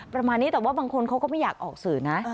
ประมาณนี้แต่ว่าบางคนเขาก็ไม่อยากออกสื่อนะ